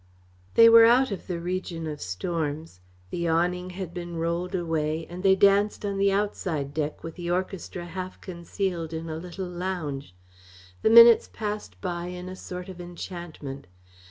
They were out of the region of storms. The awning had been rolled away and they danced on the outside deck with the orchestra half concealed in a little lounge. The minutes passed by in a sort of enchantment.